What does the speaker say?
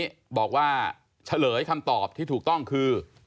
ก็ปูต้องเดินไปครูนาแล้วเข้าไปในรูที่อยู่ตรงครูนาไหม